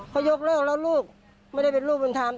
เขายกเลิกแล้วลูกไม่ได้เป็นลูกเป็นธรรม